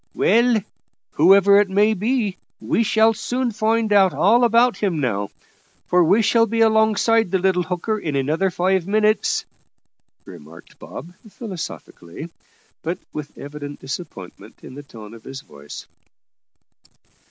"Well, whoever it may be, we shall soon find out all about him now, for we shall be alongside the little hooker in another five minutes," remarked Bob philosophically, but with evident disappointment in the tone of his voice.